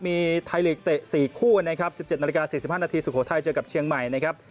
มีไทยลีกเตะสี่คู่กันนะครับสิบเจ็ดนาฬิกาสี่สิบห้านาทีสุโขทัยเจอกับเชียงใหม่นะครับ